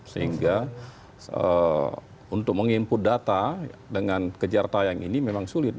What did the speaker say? sehingga untuk meng input data dengan kejar tayang ini memang sulit